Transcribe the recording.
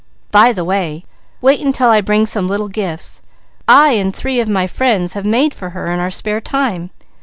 By the way, wait until I bring some little gifts, I and three of my friends have made for her in our spare time.